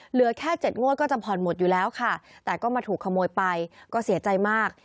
เหลือแค่๗งวดก็จะผ่อนหมดอยู่แล้วค่ะแต่ก็มาถูกขโมยไปก็เสียใจมาก